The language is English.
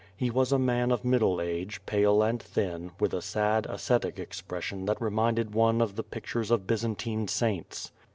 He was a man of middle age, pale and thin, with a sad, ascetic expression that reminded one of the pictures of Byzantine saints.